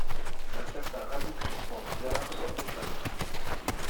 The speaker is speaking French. Un certain rabougrissement bizarre sortait de leurs mains.